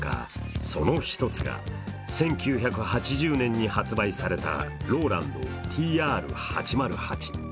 その１つが１９８０年に発売されたＲＯＬＡＮＤＴＲ−８０８。